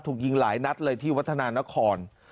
ถูกยิงหลายนัดเลยที่วัฒนานคร